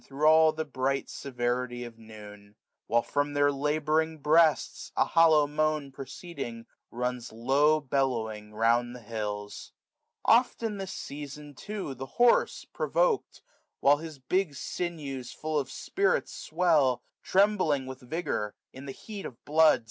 Thro' all the bright severity of noon ; While, from their labouring breasts, a hollow moan Proceeding, runs low^bellowing round the hills. 595 Oft in this season too the horse, provok'd. While his big sinews full of spirits swell ; Trembling with vigour, in the heat of blood.